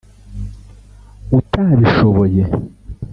utabishoboye